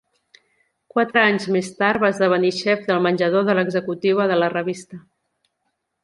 Quatre anys més tard va esdevenir xef del menjador de l'executiva de la revista.